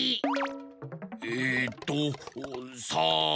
えっとさん。